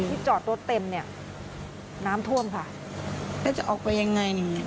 ที่จอดรถเต็มน้ำท่วมค่ะแล้วจะออกไปยังไงเนี่ย